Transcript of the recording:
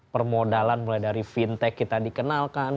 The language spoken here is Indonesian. permodalan mulai dari fintech kita dikenalkan